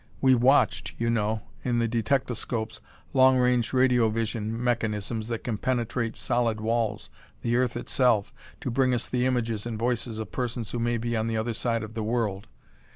We've watched, you know, in the detectoscopes long range radiovision mechanisms that can penetrate solid walls, the earth itself, to bring to us the images and voices of persons who may be on the other side of the world.